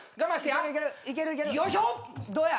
どうや？